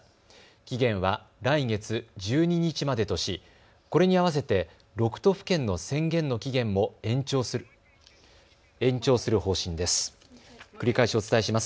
期限は来月１２日までとしこれにあわせて６都府県の宣言の期限も延長する方針です。